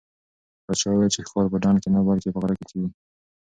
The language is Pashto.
پاچا وویل چې ښکار په ډنډ کې نه بلکې په غره کې کېږي.